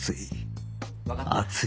熱い。